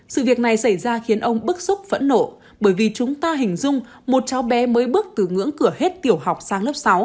sự việc này xảy ra khiến ông bức xúc phẫn nộ bởi vì chúng ta hình dung một cháu bé mới bước từ ngưỡng cửa hết tiểu học sang lớp sáu